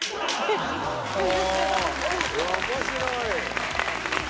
面白い。